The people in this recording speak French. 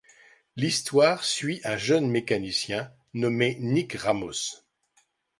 L’histoire suit un jeune mécanicien nommé Nick Ramos.